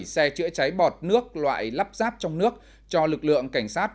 bảy xe chữa cháy bọt nước loại lắp ráp trong nước cho lực lượng cảnh sát